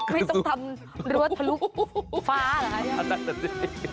ไม่ต้องทำรวดพลุกฟ้าเหรอ